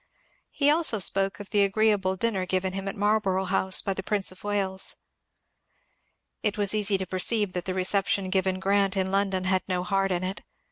He also spoke of the agreeable dinner given him at Marlborough House by the Prince of Wales. It was easy to perceive that the reception given Grant in London had no heart in it.